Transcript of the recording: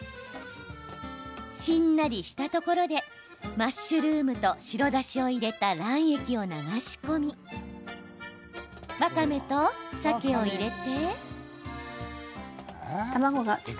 しんなりしたところでマッシュルームと白だしを入れた卵液を流し込みわかめと、さけを入れて。